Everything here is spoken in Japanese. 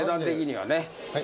はい。